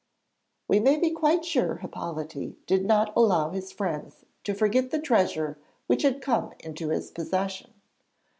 "' We may be quite sure Hippolyte did not allow his friends to forget the treasure which had come into his possession.